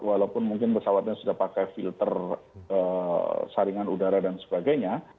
walaupun mungkin pesawatnya sudah pakai filter saringan udara dan sebagainya